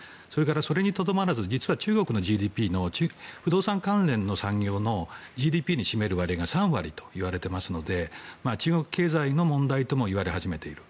それにとどまらず実は中国のＧＤＰの不動産関連の産業のＧＤＰに占める割合が３割といわれていますので中国経済の問題ともいわれ始めている。